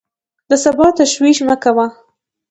د سبا تشویش مه کوه!